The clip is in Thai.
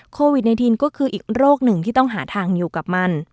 โควิดในทีนก็คืออีกโรคหนึ่งที่ต้องหาทางอยู่กับมัน